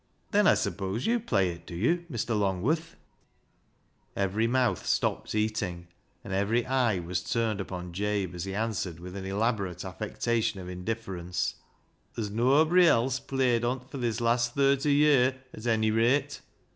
" Then I suppose you play it, do you, Mr. Longworth ?" Every mouth stopped eating, and every eye was turned upon Jabe as he answered with an elaborate affectation of indifference —" Ther's noabry else played on't for this last thurty ye'r, at ony rate."